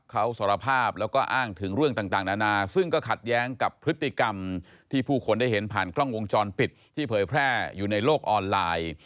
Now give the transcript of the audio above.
เขาสารภาพแล้วก็อ้างถึงเรื่องต่างนานาซึ่งก็ขัดแย้งกับพฤติกรรมที่ผู้คนได้เห็นผ่านกล้องวงจรปิดที่เผยแพร่อยู่ในโลกออนไลน์